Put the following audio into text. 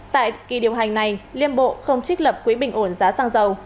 tại kỳ điều hành này liên bộ không trích lập quỹ bình ổn giá xăng dầu